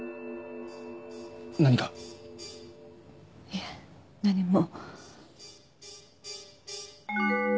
いえ何も。